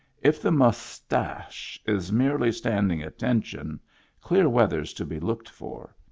If the muss tash is merely stand ing attention, clear weather's to be looked for.